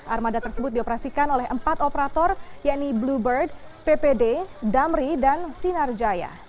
armada tersebut dioperasikan oleh empat operator yakni bluebird ppd damri dan sinarjaya